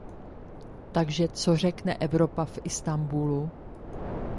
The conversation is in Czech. Takže co řekne Evropa v Istanbulu?